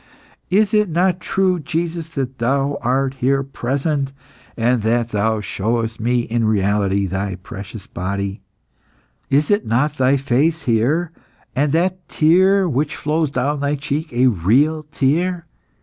Is it not true, Jesus, that Thou art here present, and that Thou showest me in reality Thy precious body? Is not Thy face here, and that tear which flows down Thy cheek a real tear?